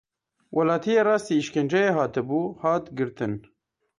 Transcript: Welatiyê rastî îşkenceyê hatibû, hat girtin.